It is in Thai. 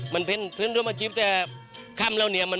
มันเพื่อนรวมอาชีพแต่คำนั้น